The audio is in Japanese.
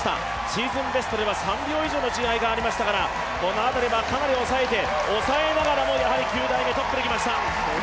シーズンベストでは３秒以上の違いがありましたからこの辺りはかなり抑えて抑えながらもやはり９台目、トップで来ました。